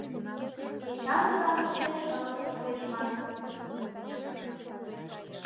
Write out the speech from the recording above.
Эчан Озаҥыште шылын коштеш, маныт.